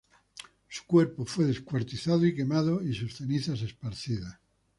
Su cuerpo fue descuartizado y quemado, y sus cenizas esparcidas.